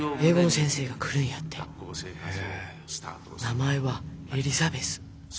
名前はエリザベス。